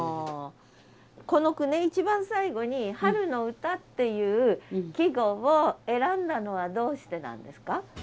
この句ね一番最後に「春の詩」っていう季語を選んだのはどうしてなんですか？